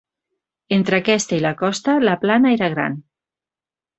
Entre aquesta i la costa la plana era gran.